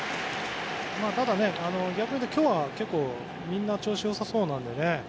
ただ、逆を言うと今日は結構みんな調子良さそうなのでね。